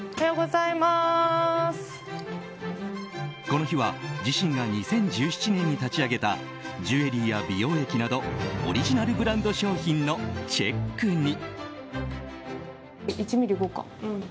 この日は自身が２０１７年に立ち上げたジュエリーや美容液などオリジナルブランド商品のチェックに。